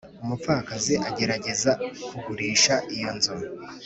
umupfakazi agerageza kugurisha iyo nzu,